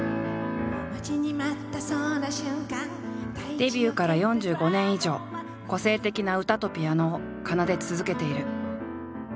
デビューから４５年以上個性的な歌とピアノを奏で続けている。